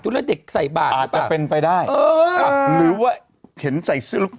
อยู่แล้วเด็กใส่บาทหรือเปล่าอาจจะเป็นไปได้เออหรือว่าเห็นใส่สื่อ